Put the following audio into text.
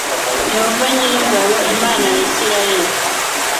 Yehova nyir ingabo Imana ya Isirayeli